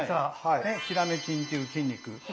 ヒラメ筋っていう筋肉。